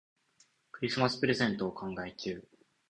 クリスマスプレゼントを考え中。